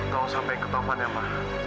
tau sampai ketaufan ya ma